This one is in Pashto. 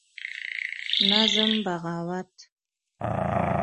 نظم: بغاوت